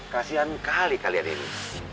kasian kali kalian ini